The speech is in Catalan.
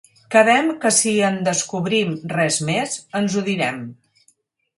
Quedem que si en descobrim res més ens ho direm.